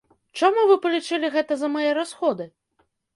Чаму вы палічылі гэта за мае расходы?